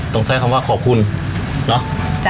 ต้องใช้คำว่าขอบคุณเนาะ